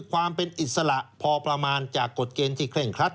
ความเป็นอิสระพอประมาณจากกฎเกณฑ์ที่เคร่งครัด